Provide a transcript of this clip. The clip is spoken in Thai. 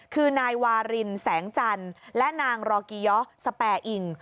คือนายวารินแสงจันและนางหรอกยศแปร่อิ่ง